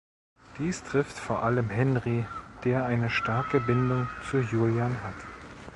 Dies trifft vor allem Henry, der eine starke Bindung zu Julian hat.